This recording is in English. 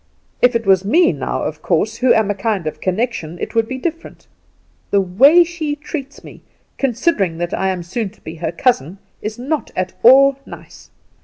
If it was me now, of course, who am a kind of connection, it would be different. The way she treats me, considering that I am so soon to be her cousin, is not at all nice.